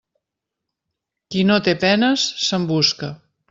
Qui no té penes, se'n busca.